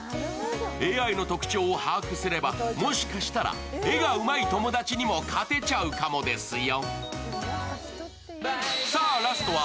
ＡＩの特徴を把握すれば、もしかしたら絵がうまい友達にも勝てちゃうかもですよ。